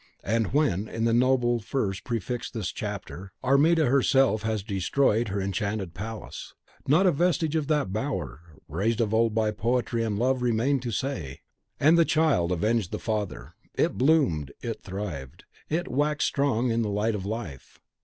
As when, in the noble verse prefixed to this chapter, Armida herself has destroyed her enchanted palace, not a vestige of that bower, raised of old by Poetry and Love, remained to say, "It had been!" And the child avenged the father; it bloomed, it thrived, it waxed strong in the light of life.